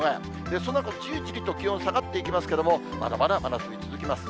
そのあとじりじりと気温、下がっていきますけれども、まだまだ真夏日、続きます。